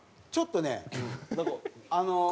ちょっとねあの。